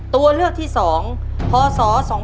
ตัวเลือกที่๒พศ๒๕๖